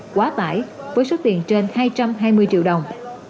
quá tải với số tiền trên hai trăm hai mươi triệu đồng